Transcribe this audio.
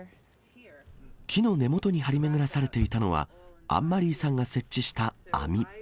木の根元に張り巡らされていたのは、アンマリーさんが設置した網。